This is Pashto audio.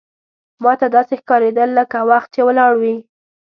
ماته داسې ښکارېدل لکه وخت چې ولاړ وي.